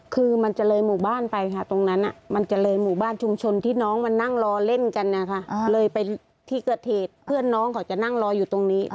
คือมันจะเลยหมู่บ้านไปค่ะตรงนั้นมันจะเลยหมู่บ้านชุมชนที่น้องมานั่งรอเล่นกันนะคะเลยไปที่เกิดเหตุเพื่อนน้องเขาจะนั่งรออยู่ตรงนี้